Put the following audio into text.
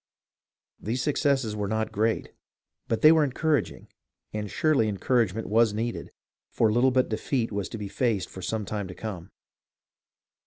These successes were not great, but they were encouraging, and surely encouragement was needed, for little but defeat was to be faced for some time to come.